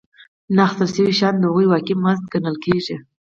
دغه اخیستل شوي شیان د هغوی واقعي مزد ګڼل کېږي